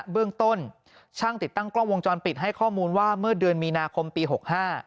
เบื้องต้นช่างติดตั้งกล้องวงจรปิดให้ข้อมูลว่าเมื่อเดือนมีนาคมปี๖๕